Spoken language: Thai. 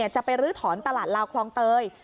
จะไปลื้อถอนตลาดลาวคลองเตย